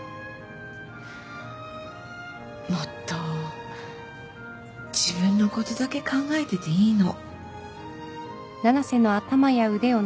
もっと自分のことだけ考えてていいの